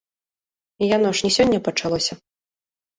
Яно ж не сёння пачалося.